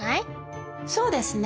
そうですね。